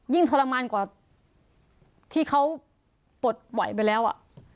ทรมานกว่าที่เขาปลดไหวไปแล้วอ่ะ